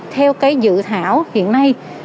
theo cái dự thảo hiện nay